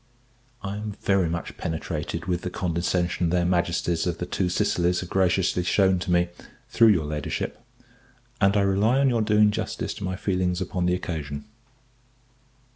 I am very much penetrated with the condescension their Majesties of the Two Sicilies have graciously shewn to me, through your Ladyship, and I rely on your doing justice to my feelings upon the occasion.